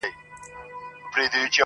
د بېوفا لفظونه راوړل_